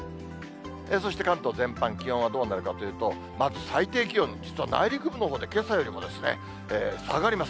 そして関東全般、気温はどうなるかというと、まず最低気温、実は内陸部のほうでけさよりも下がります。